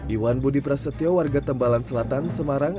iwan budi prasetyo warga tembalan selatan semarang